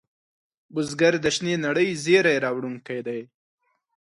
بزګر د شنې نړۍ زېری راوړونکی دی